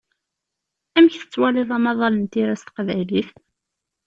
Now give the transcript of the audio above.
Amek tettwaliḍ amaḍal n tira s teqbaylit?